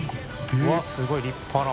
うわすごい立派な。